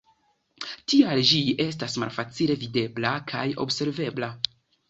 Tial ĝi estas malfacile videbla kaj observebla.